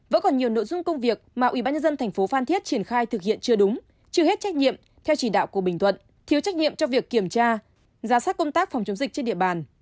các công việc mà ubnd tp phàn thiết triển khai thực hiện chưa đúng chưa hết trách nhiệm theo chỉ đạo của bình thuận thiếu trách nhiệm cho việc kiểm tra giá sát công tác phòng chống dịch trên địa bàn